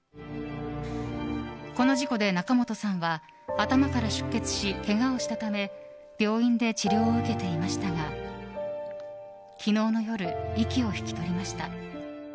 この事故で仲本さんは頭から出血し、けがをしたため病院で治療を受けていましたが昨日の夜、息を引き取りました。